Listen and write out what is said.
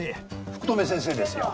福留先生ですよ